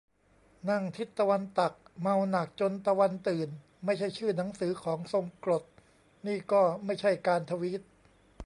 "นั่งทิศตะวันตัก เมาหนักจนตะวันตื่น" ไม่ใช่ชื่อหนังสือของทรงกลด นี่ก็ไม่ใช่การทวีต